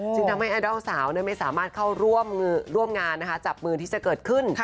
ทำให้ไอดอลสาวไม่สามารถเข้าร่วมงานจับมือที่จะเกิดขึ้น